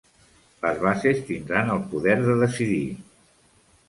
Les bases tindran el poder de decidir